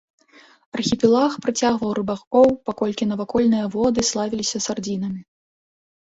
Архіпелаг прыцягваў рыбакоў, паколькі навакольныя воды славіліся сардзінамі.